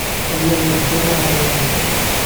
Aya la yettḍurru arraw-nteɣ.